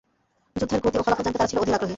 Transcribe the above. যুদ্ধের গতি ও ফলাফল জানতে তারা ছিল অধীর আগ্রহী।